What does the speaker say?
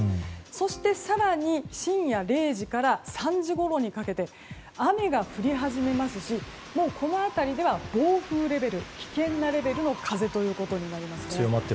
そして更に深夜０時から３時ごろにかけて雨が降り始めますしこの辺りでは暴風レベル、危険なレベルの風となっています。